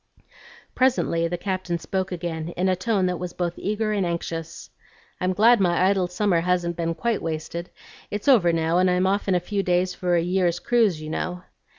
Presently the Captain spoke again in a tone that was both eager and anxious, "I'm glad my idle summer hasn't been quite wasted. It's over now, and I'm off in a few days for a year's cruise, you know."